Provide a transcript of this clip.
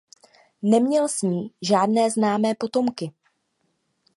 Neměl s ní žádné známé potomky.